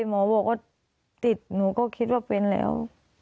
หมอบอกว่าติดหนูก็คิดว่าเป็นแล้ว